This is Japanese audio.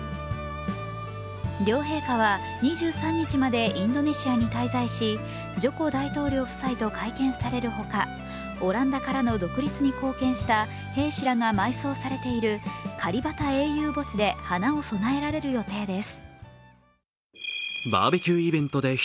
両陛下は、２３日までインドネシアに滞在し、ジョコ大統領夫妻と会見されるほか、オランダからの独立に貢献した兵士らが埋葬されているカリバタ英雄墓地で花を供えられる予定です。